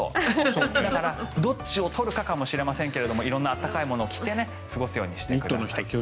だからどっちを取るかかもしれませんが色々な暖かいものを着て過ごすようにしてください。